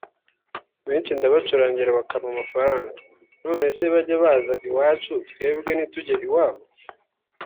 benshi ndabacurangira bakampa amafaranga […] Nonese bajye baza iwacu twebwe ntitujye iwabo